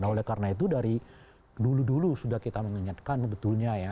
nah oleh karena itu dari dulu dulu sudah kita mengingatkan betulnya ya